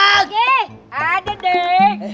hei ada deh